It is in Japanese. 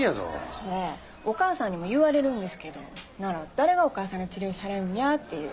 それお母さんにも言われるんですけどなら誰がお母さんの治療費払うんや？っていう。